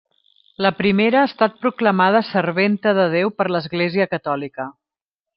La primera ha estat proclamada serventa de Déu per l'Església catòlica.